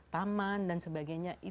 taman dan sebagainya